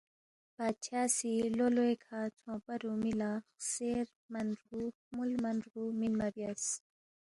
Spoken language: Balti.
بادشاہ سی لو لوے کھہ ژھونگپا رُومی لہ خسیر مَن رگُو، خمُول مَن رگُو، مِنما بیاس